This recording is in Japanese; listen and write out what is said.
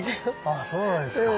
あそうなんですか。